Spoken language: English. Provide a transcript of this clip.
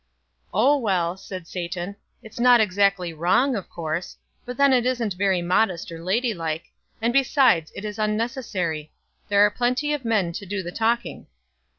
"Oh, well," said Satan, "it's not exactly wrong, of course; but then it isn't very modest or ladylike; and, besides, it is unnecessary. There are plenty of men to do the talking."